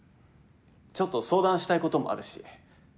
ちょっと相談したいこともあるし